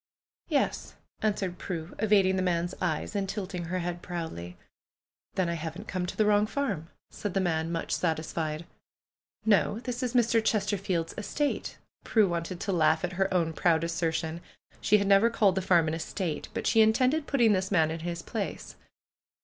"Yes," answered Prue, evading the man's eyes and tilting her head proudly. "Then I haven't come to the wrong farm," said the man, much satisfied. "No! This is Mr. Chesterfield's estate." Prue want ed to laugh at her own proud assertion. She had never called the farm an estate ; but she intended putting this man in his place.